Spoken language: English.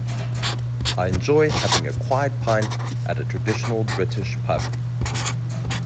I enjoy having a quiet pint at a traditional British pub